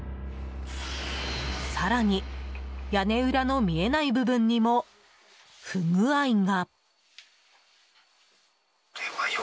更に、屋根裏の見えない部分にも不具合が。